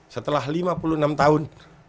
setelah lima puluh enam tahun